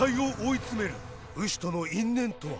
ウシとの因縁とは。